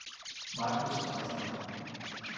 Marcus Dunstan